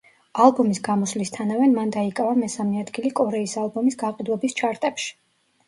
ალბომის გამოსვლისთანავე მან დაიკავა მესამე ადგილი კორეის ალბომის გაყიდვების ჩარტებში.